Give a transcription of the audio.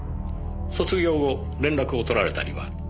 卒業後連絡を取られたりは？